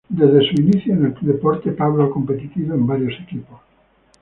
Desde sus inicios en el deporte, Pablo ha competido en varios equipos.